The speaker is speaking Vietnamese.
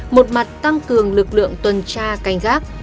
một mặt tăng cường lực lượng tuần tra cảnh giác